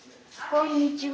こんにちは。